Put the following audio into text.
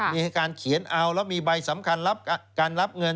มีการเขียนเอาแล้วมีใบสำคัญรับการรับเงิน